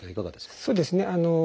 そうですね。